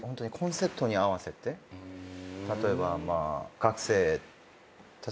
例えば。